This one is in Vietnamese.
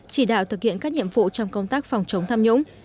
chỉ đạo thực hiện các nhiệm vụ trong công tác phòng chống tham nhũng